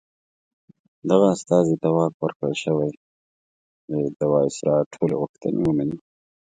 دغه استازي ته واک ورکړل شوی چې د وایسرا ټولې غوښتنې ومني.